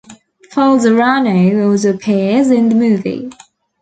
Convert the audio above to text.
Falzarano also appears in the movie.